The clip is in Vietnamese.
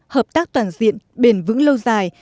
hợp tác toàn diện bền vững lâu dài